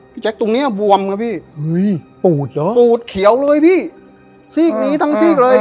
แจ๊คตรงเนี้ยบวมครับพี่เฮ้ยปูดเหรอปูดเขียวเลยพี่ซีกนี้ทั้งซีกเลย